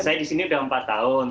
saya disini sudah empat tahun